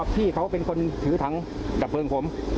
ที่เขาเป็นคนถือถังดับเพลิงผม